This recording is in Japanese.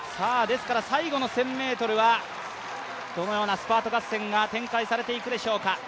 最後の１０００ｍはどのようなスパート合戦が展開されていくでしょうか。